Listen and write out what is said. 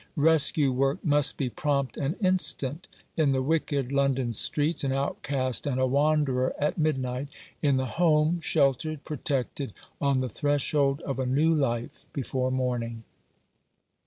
Rescue work must be prompt and instant. In the wicked London streets an outcast and a wanderer at midnight ; in the Home, sheltered, protected, on the threshold of a new life before morning."